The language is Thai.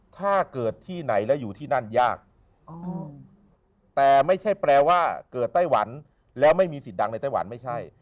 ถ้าเกิดที่ไหนแล้วอยู่ที่นั่นยากแต่ไม่ใช่แปลว่าเกิดไต้หวันแล้วไม่มีสิทธิ์ดังในไต้หวันไม่ใช่